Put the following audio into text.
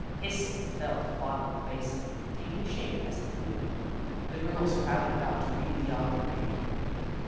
Hissing it fell to the bottom of the basin, taking shape as it cooled. The girls crowded about to read the augury.